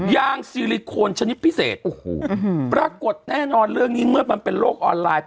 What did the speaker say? ยางซีลิโคนชนิดพิเศษโอ้โหปรากฏแน่นอนเรื่องนี้เมื่อมันเป็นโลกออนไลน์